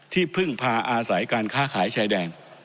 ที่พึ่งพาอาศัยการค้าขายชายแดน